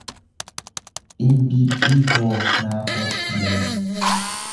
Dhinbiibbii koo naa koottu mee!